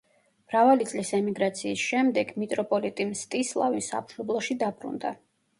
მრავალი წლის ემიგრაციის შემდეგ, მიტროპოლიტი მსტისლავი სამშობლოში დაბრუნდა.